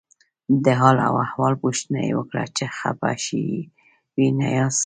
د حال او احوال پوښتنه یې وکړه چې خپه شوي نه یاست.